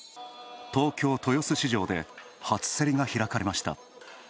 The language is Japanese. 東京、豊洲市場で初競りが開かれました。